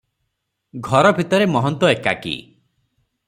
ଘର ଭିତରେ ମହନ୍ତ ଏକାକୀ ।